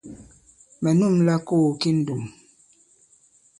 Mɛ̀ nûmla kogo ki ndùm.